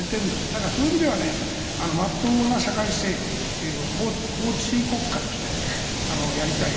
だからそういう意味ではまっとうな社会正義という法治国家としてやりたい。